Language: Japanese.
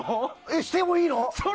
してもいいの？